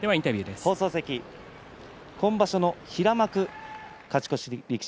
今場所の平幕勝ち越し力士